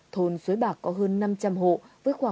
thôn suối bạc có hơn năm trăm linh hộ